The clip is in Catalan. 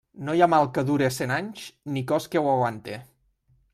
No hi ha mal que dure cent anys, ni cos que ho aguante.